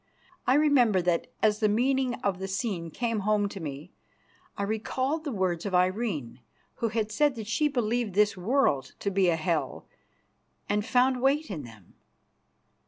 I remember that, as the meaning of the scene came home to me, I recalled the words of Irene, who had said that she believed this world to be a hell, and found weight in them.